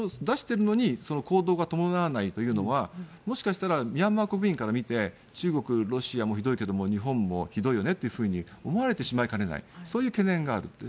出しているのに行動が伴わないというのはもしかしたらミャンマー国民から見て中国、ロシアもひどいけど日本もひどいよねと思われてしまいかねないそういう懸念がある。